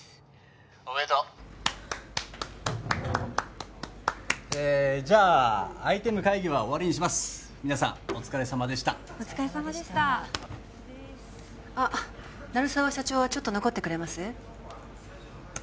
おめでとうえじゃあアイテム会議は終わりにします皆さんお疲れさまでしたお疲れさまでしたあっ鳴沢社長はちょっと残ってくれます？